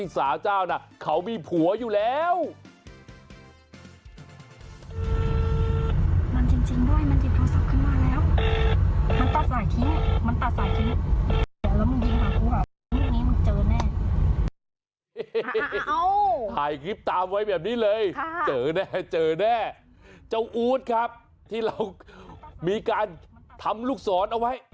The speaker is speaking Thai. สำหรับคนไทยแล้วก็ทุกคนทั่วโลกนะคะ